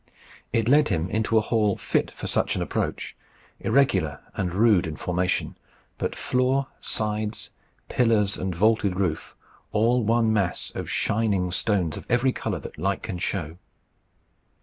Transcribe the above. It led him into a hall fit for such an approach irregular and rude in formation, but floor, sides, pillars, and vaulted roof, all one mass of shining stones of every colour that light can show.